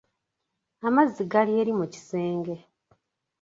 Amazzi gali eri mu kisenge.